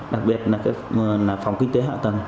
đặc biệt là phòng kinh tế hạ tầng